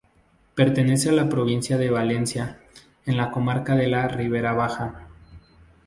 Perteneciente a la provincia de Valencia, en la comarca de la Ribera Baja.